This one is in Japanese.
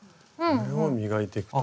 これを磨いていくと。